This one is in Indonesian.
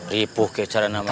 ripuh kecaran namanya